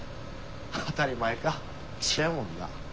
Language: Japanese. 当たり前か騎手やもんな。